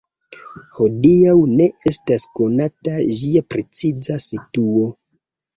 Hodiaŭ ne estas konata ĝia preciza situo.